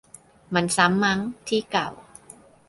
มันซ้ำมั้ง ที่เก่า